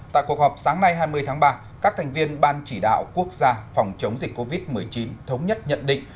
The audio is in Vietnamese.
tại cuộc họp sáng nay hai mươi tháng ba các thành viên ban chỉ đạo quốc gia phòng chống dịch covid một mươi chín thống nhất nhận định